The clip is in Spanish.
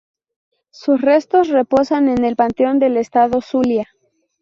Sus restos reposan en el Panteón del Estado Zulia.